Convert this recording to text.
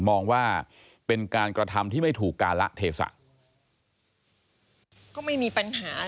มองว่าเป็นการกระทำที่ไม่ถูกกาละเทศะ